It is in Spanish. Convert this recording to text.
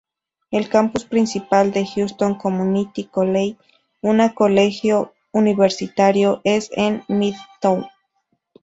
El campus principal de Houston Community College, una colegio universitario, es en Midtown.